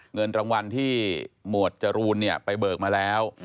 เงินรางวัลที่หมวดจรูนไปเบิกมาแล้ว